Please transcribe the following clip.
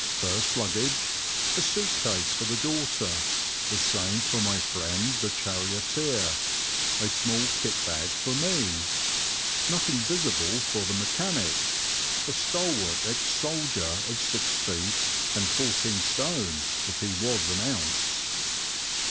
First luggage: a suit case for the daughter, the same for my friend the charioteer, a small kit bag for me, nothing visible for the mechanic a stalwart ex soldier of six feet and 14 stone, if he was an ounce.